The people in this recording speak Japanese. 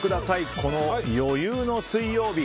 この余裕の水曜日！